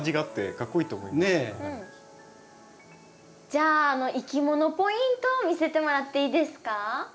じゃあいきものポイント見せてもらっていいですか？